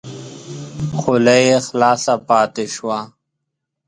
خوله یې خلاصه پاته شوه !